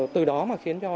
từ đó mà khiến cho họ